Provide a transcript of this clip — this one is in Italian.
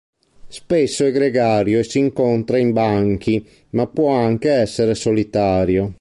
Spesso è gregario e si incontra in banchi ma può anche essere solitario.